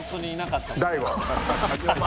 大悟。